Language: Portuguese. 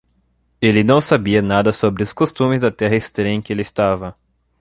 Ele não sabia nada sobre os costumes da terra estranha em que ele estava.